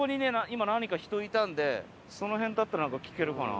今何人か人いたんでその辺だったら聞けるかな。